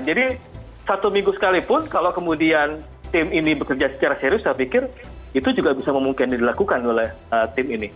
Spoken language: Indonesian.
jadi satu minggu sekalipun kalau kemudian tim ini bekerja secara serius saya pikir itu juga bisa memungkinkan dilakukan oleh tim ini